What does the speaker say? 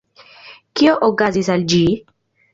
Kio okazis al ĝi?